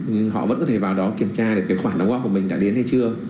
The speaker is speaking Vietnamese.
nhưng họ vẫn có thể vào đó kiểm tra được cái khoản đóng góp của mình đã đến hay chưa